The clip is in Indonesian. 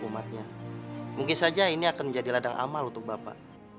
mungkin saja ini akan menjadi ladang amal untuk bapak